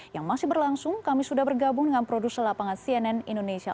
yang masih berlangsung kami sudah bergabung dengan produser lapangan cnn indonesia